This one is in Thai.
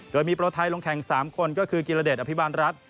โดยมีโปรไทยลงแข่ง๓คนก็คือกิรเดชอภิบาลรัฐ